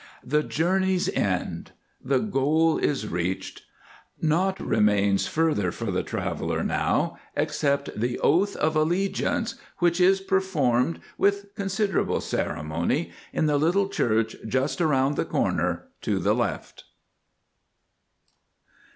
The journey's end! The goal is reached! Naught remains further for the traveller now except the Oath of Allegiance which is performed with considerable ceremony in the little church just around the corner to the left.